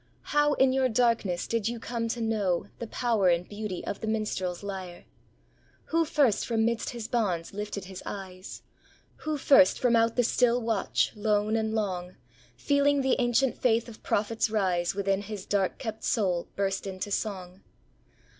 How, in your darkness, did you come to know The power and beauty of the minstrel's lyre? Who first from midst his bonds lifted his eyes? Who first from out the still watch, lone and long, Feeling the ancient faith of prophets rise Within his dark kept soul, burst into song?